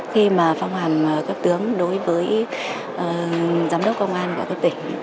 khi mà phong hàm cấp tướng đối với giám đốc công an của cấp tỉnh